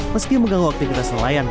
meski mengganggu aktivitas nelayan